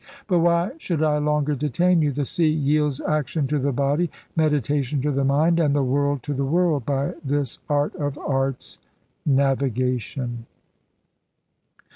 But why should I longer detain you? The Sea yields action to the body, meditation to the mind, and the World to the World, by this art of arts — Navigation.